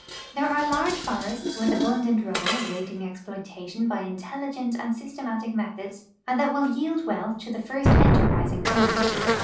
There are large forests with abundance of rubber awaiting: ex ploitation by intelligent and systematic methods anil tliat will yield wealth to the first enterprising cmner.